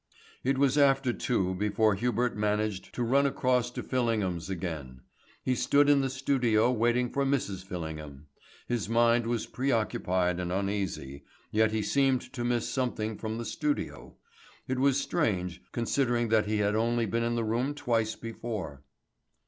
It was after two before Hubert managed to run across to Fillingham's again. He stood in the studio waiting for Mrs. Fillingham. His mind was preoccupied and uneasy, yet he seemed to miss something from the studio. It was strange, considering that he had only been in the room twice before.